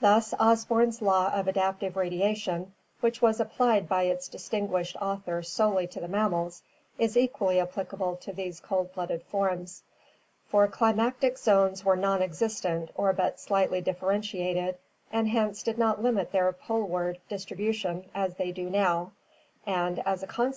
Thus Osborn's law of adaptive radiation, which was applied by its distinguished author solely to the mammals, is equally applicable to these cold blooded forms, for climatic zones were non existent or but slightly differentiated and hence did not limit their poleward distribution as they do now, and, as a consequence, of r ''—' FlG.